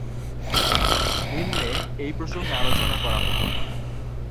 নিম্নে এই প্রসঙ্গে আলোচনা করা হলো।